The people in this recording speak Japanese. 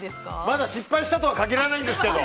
まだ失敗したとは限らないんですけど！